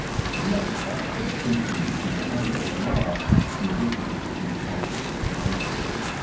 We must fetch the distinction between counsel and law, from the difference between law mBtTB DOMINION. 183 counsel and command.